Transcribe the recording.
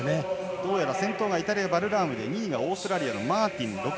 どうやら先頭がイタリアのバルラームで２位、オーストラリアのマーティン。